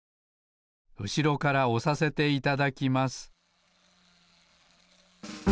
うしろからおさせていただきます